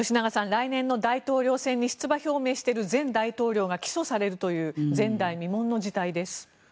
来年の大統領選に出馬表明している前大統領が起訴されるという前代未聞の時代です。